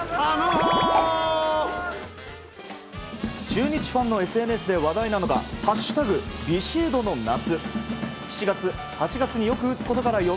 中日ファンのＳＮＳで話題なのが「＃ビシエドの夏」。